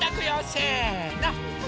せの。